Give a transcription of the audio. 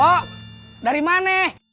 ibu dari mana